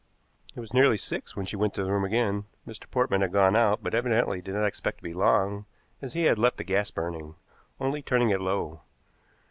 It was nearly six when she went to the room again. Mr. Portman had gone out, but evidently did not expect to be long, as he had left the gas burning, only turning it low.